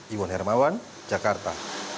iwan hermawan jakarta